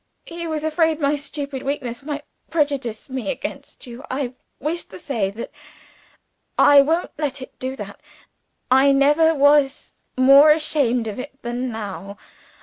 He was afraid my stupid weakness might prejudice me against you. I wish to say that I won't let it do that. I never was more ashamed of it than now.